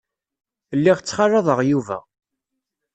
Lliɣ ttxalaḍeɣ Yuba.